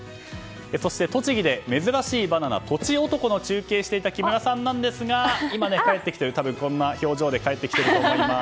そして、栃木で珍しいバナナとちおとこの中継をしていた木村さんなんですが今、たぶんこんな表情で帰ってきてると思います。